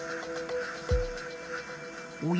おや？